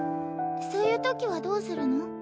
そういうときはどうするの？